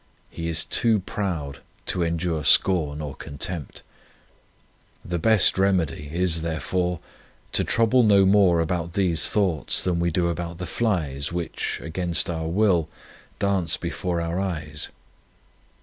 He is too proud to endure scorn or contempt. The best remedy is, therefore, to trouble no more about these thoughts than we do about the flies which, against our will, dance before our eyes.